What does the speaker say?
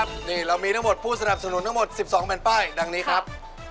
นี่เรามีทั้งหมดผู้สนับสนุนทั้งหมด๑๒แผ่นป้ายดังนี้ครับ